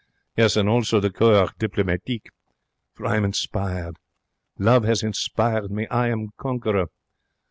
Yes, and also the Corps Diplomatique. For I am inspired. Love 'as inspired me. I am conqueror.